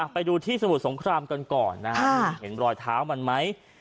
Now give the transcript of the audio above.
ไปดูที่สมุทรสงครามก่อนค่ะเห็นบรอยเท้ามันไหม